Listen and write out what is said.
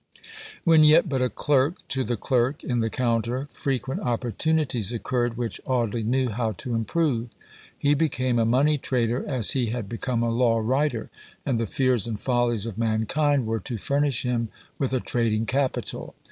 When yet but a clerk to the Clerk in the Counter, frequent opportunities occurred which Audley knew how to improve. He became a money trader as he had become a law writer, and the fears and follies of mankind were to furnish him with a trading capital.